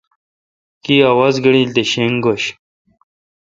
کی آواز گیلڈ تے شینگ گوش۔